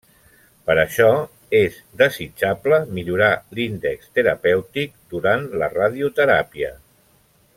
Per això, és desitjable millorar l'índex terapèutic durant la radioteràpia.